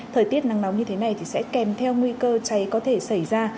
thời tiết nắng nóng như thế này thì sẽ kèm theo nguy cơ cháy có thể xảy ra